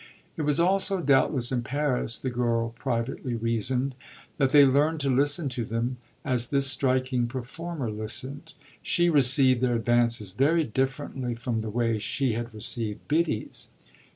It was also doubtless in Paris, the girl privately reasoned, that they learned to listen to them as this striking performer listened. She received their advances very differently from the way she had received Biddy's.